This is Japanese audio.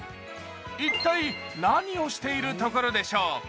一体、何をしているところでしょう？